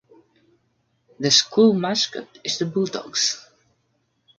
The school mascot is the Bulldogs.